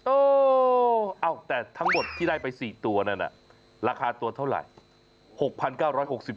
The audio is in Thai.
แต่ทั้งหมดที่ได้ไป๔ตัวนั้นราคาตัวเท่าไหร่